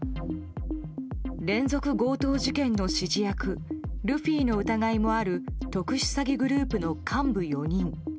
連続強盗事件の指示役ルフィの疑いもある特殊詐欺グループの幹部４人。